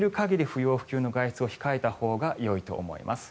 不要不急の外出を控えたほうがよいと思います。